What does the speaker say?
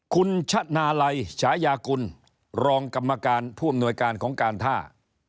คุณชะนาลัยฉายากุลรองกรรมการผู้อำนวยการของการท่า